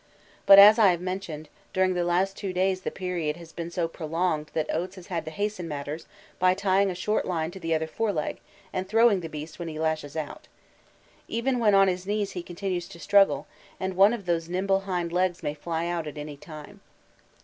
But, as I have mentioned, during the last two days the period has been so prolonged that Oates has had to hasten matters by tying a short line to the other foreleg and throwing the beast when he lashes out. Even when on his knees he continues to struggle, and one of those nimble hind legs may fly out at any time.